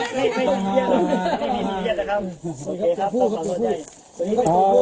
ไม่มีแผลครับ